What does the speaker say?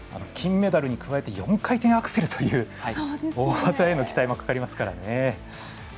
金メダルに加えて４回転アクセルという大技への期待もかかりますから。